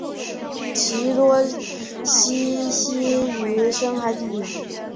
其多栖息于深海底。